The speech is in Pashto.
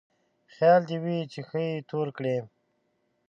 خيال دې وي چې ښه يې تور کړې.